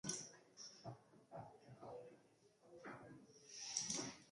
Patriziak zentzuz joka zezan lortu behar nuen.